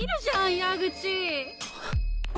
矢口